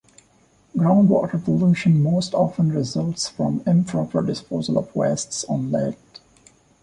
Groundwater pollution most often results from improper disposal of wastes on land.